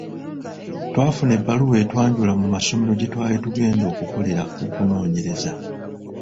Twafuna ebbaluwa etwanjula mu masomero gye twali tugenda okukolera okunoonyereza.